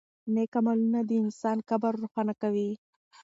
نېک عملونه د انسان قبر روښانه کوي.